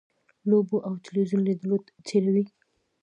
لوبو او تلویزیون لیدلو تېروي.